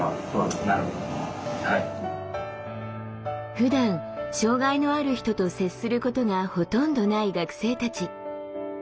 ふだん障害のある人と接することがほとんどない学生たち。